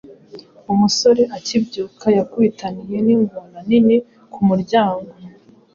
umusore akibyuka yakubitaniye n’ingona nini ku muryango